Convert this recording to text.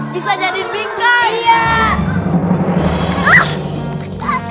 bisa jadi bingkai